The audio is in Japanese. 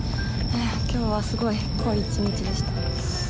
今日はすごい濃い一日でした。